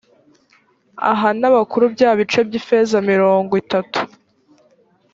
aha n’abakuru bya bice by’ifeza mirongo itatu